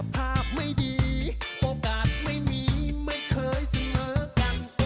ผ่าน๘ปีมีแต่ความล้าหลัง